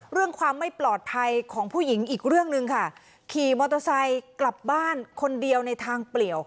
เรื่องความไม่ปลอดภัยของผู้หญิงอีกเรื่องหนึ่งค่ะขี่มอเตอร์ไซค์กลับบ้านคนเดียวในทางเปลี่ยว